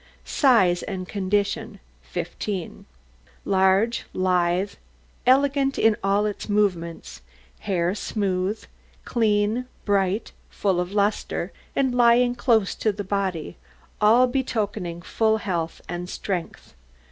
SIZE AND CONDITION 15 Large, lithe, elegant in all its movements; hair smooth, clean, bright, full of lustre, and lying close to the body, all betokening full health and strength.